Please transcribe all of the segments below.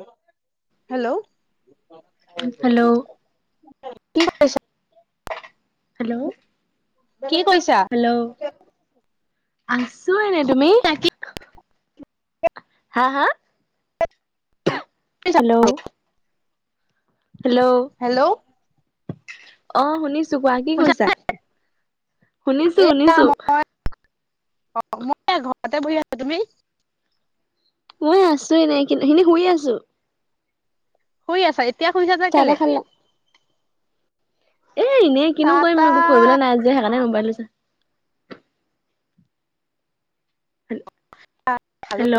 [inaudible] Hello hello কি কৈছা? Hello কি কৈছা? হেল্ল' আছো এনে তুমি হা হা কৰিছা হেল্ল'? হেল্ল', হেল্ল' অ, শুনিছো কোৱা কি শুনা, কৈছা। শুনিছো শুনিছো অ', মই ঘৰতে বহি আছো তুমি? মই আছো এনেই-শুই আছো। শুই এতিয়া শুইছা যে চাহ তাহ কেলে? খালা এ-এনেই কিনো চাহ কৰিম একো কৰিবলৈ তাহ নাই যে সেইকাৰণে মোবাইল লৈছ হেল্ল' খালো হেল্ল'?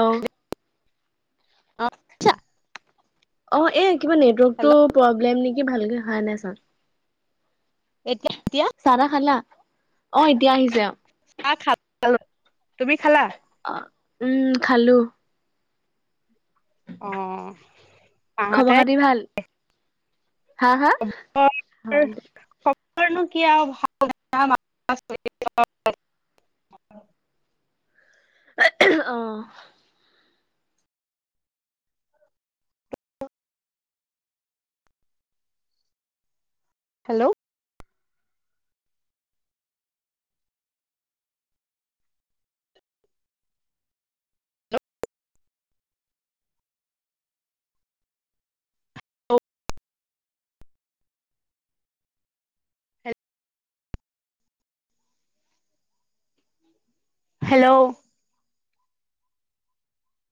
অ অ, এ কিবা নেটৱৰ্কটো হেল্ল' প্ৰব্লেম নেকি কি, ভালকে খাই নাই চোৱা। এতিয়া । চাহ - তা খালা । অ, এতিয়া আহিছে আও । খ খাল খাল তুমি খালা [unintelligible] উম, খালো। অ, খবৰ তাহাতে। খাতি ভাল হা, হা। আমাৰ নু কি আও। ভাল বেয়াৰ মাজতে চলি আছো। অহ, হেল্ল'। হেল্ল'।